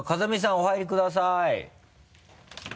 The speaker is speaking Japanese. お入りください。